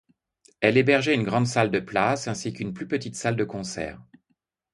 Elle hébergeait une grande salle de places, ainsi qu'une plus petite salle de concert.